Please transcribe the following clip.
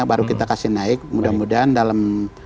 baru kita kasih naik mudah mudahan dalam